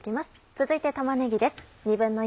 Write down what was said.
続いて玉ねぎです。